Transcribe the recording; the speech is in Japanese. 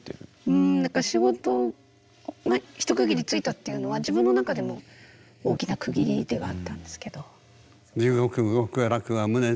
うん何か仕事が一区切りついたっていうのは自分の中でも大きな区切りではあったんですけど。